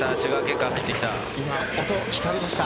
今、音聞かれました？